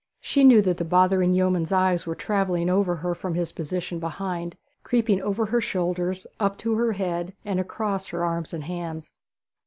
She knew that the bothering yeoman's eyes were travelling over her from his position behind, creeping over her shoulders, up to her head, and across her arms and hands.